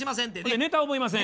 ネタ覚えません。